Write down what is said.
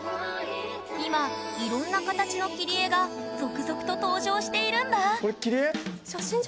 今いろんな形の切り絵が続々と登場しているんだこれ切り絵？